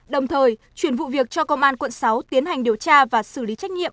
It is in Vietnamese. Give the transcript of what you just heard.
đồng thời chuyển vụ việc cho công an quận sáu tiến hành điều tra và xử lý trách nhiệm